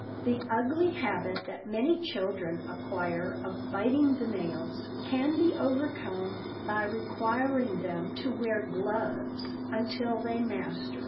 The ugly habit that many children acquire of biting the nails can be overcome by requiring them to wear gloves until they master it.